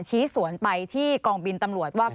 ชี้สวนไปที่กองบินตำรวจว่า